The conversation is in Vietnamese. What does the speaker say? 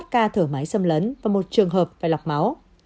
bốn mươi một ca thở máy xâm lấn và một trường hợp phải lọc máu